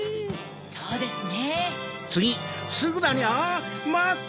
そうですね。